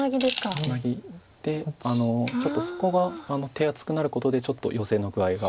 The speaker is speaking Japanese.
ツナギでちょっとそこが手厚くなることでちょっとヨセの具合が。